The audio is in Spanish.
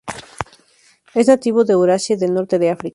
Es nativo de Eurasia y del norte de África.